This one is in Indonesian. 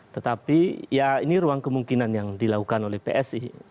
tetapi ya ini ruang kemungkinan yang dilakukan oleh psi